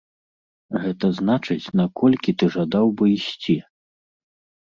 Гэта значыць, наколькі ты жадаў бы ісці?